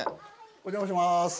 お邪魔します